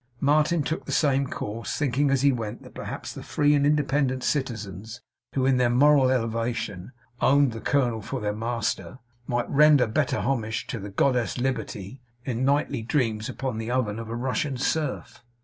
Martin took the same course, thinking as he went, that perhaps the free and independent citizens, who in their moral elevation, owned the colonel for their master, might render better homage to the goddess, Liberty, in nightly dreams upon the oven of a Russian Serf.